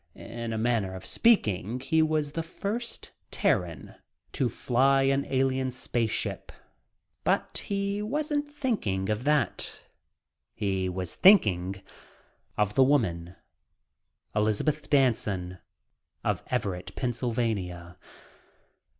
In a manner of speaking, he was the first Terran to fly an alien space ship, but he wasn't thinking of that. He was thinking of the woman, Elizabeth Danson of Everett, Pennsylvania.